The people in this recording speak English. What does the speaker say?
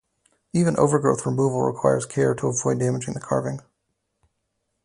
Even overgrowth removal requires care to avoid damaging the carving.